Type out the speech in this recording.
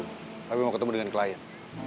tapi mau ketemu dengan klien